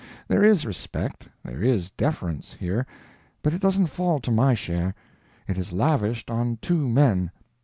There is respect, there is deference here, but it doesn't fall to my share. It is lavished on two men.